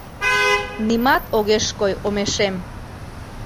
Нимат огеш кой омешем.